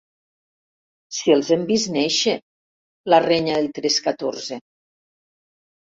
Si els hem vist néixer –la renya el Trescatorze–.